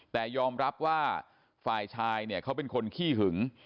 แต่ยอมรับว่าฝ่ายชายเนี่ยเขาเป็นคนขี้หึง